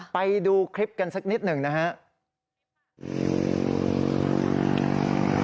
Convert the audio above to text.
ไปดูคลิปกันสักนิดหนึ่งนะครับ